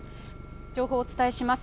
情報をお伝えします。